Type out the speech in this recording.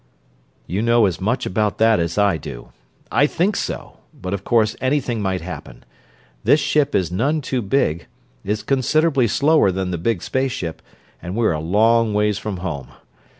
"You know as much about that as I do. I think so, but of course anything might happen. This ship is none too big, is considerable slower than the big space ship, and we're a long ways from home.